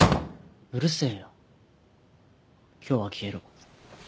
うるせぇよ今日は消えろ。